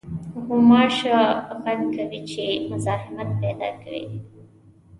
غوماشه غږ کوي چې مزاحمت پېدا کوي.